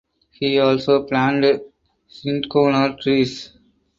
He also planted cinchona trees.